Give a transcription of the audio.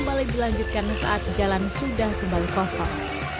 kembali dilanjutkan saat jalan sudah kembali kosong